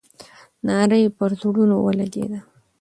ناره یې پر زړونو ولګېده.